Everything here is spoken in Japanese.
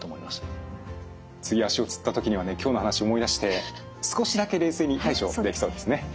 次足をつった時にはね今日の話思い出して少しだけ冷静に対処できそうですね。